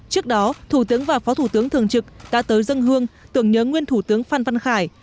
trước đó thủ tướng và phó thủ tướng thường trực đã tới dân hương tưởng nhớ nguyên thủ tướng phan văn khải